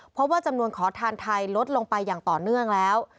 เพราะว่าจำนวนขอทานไทยลดลงไปอย่างต่อเนื่องแล้ว